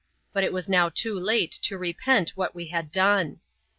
But it was now too late to repent what we had done.